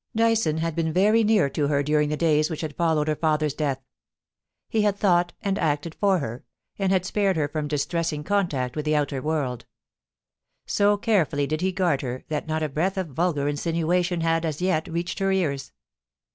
Dyson had been very near to her during the da} s which had followed her father's death. He had thought and acted for her, and had spared her from distressing con tact with the outer world So carefully did he guard her that not a breath of vulgar insinuation had as yet reached her ears.